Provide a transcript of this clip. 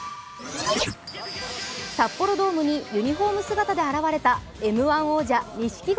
札幌ドームにユニフォーム姿で現れたＭ−１王者・錦鯉。